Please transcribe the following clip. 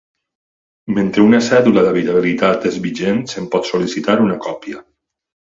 Mentre una cèdula d'habitabilitat és vigent se'n pot sol·licitar una còpia.